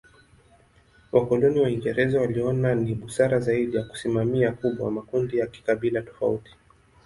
Wakoloni Waingereza waliona ni busara zaidi ya kusimamia kubwa makundi ya kikabila tofauti.